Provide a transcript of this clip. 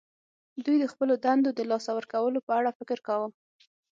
دوی د خپلو دندو د لاسه ورکولو په اړه فکر کاوه